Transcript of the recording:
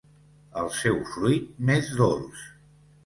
El seu fruit m’és dolç.